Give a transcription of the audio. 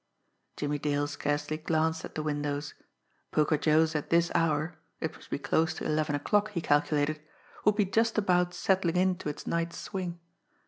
Jimmie Dale scarcely glanced at the windows. Poker Joe's at this hour it must be close to eleven o'clock, he calculated would be just about settling into its night's swing.